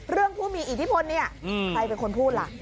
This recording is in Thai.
ผู้มีอิทธิพลเนี่ยใครเป็นคนพูดล่ะ